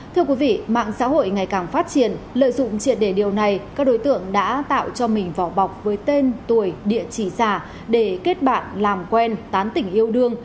thưa quý vị mạng xã hội ngày càng phát triển lợi dụng triệt đề điều này các đối tượng đã tạo cho mình vỏ bọc với tên tuổi địa chỉ giả để kết bạn làm quen tán tỉnh yêu đương